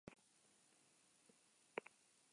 Hiru atzelarirekin eta hegal birekin jokatzen du.